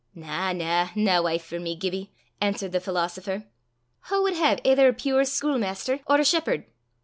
"Na, na; nae wife for me, Gibbie!" answered the philosopher. "Wha wad hae aither a pure schuilmaister or a shepherd?